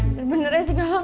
bener benernya sih galang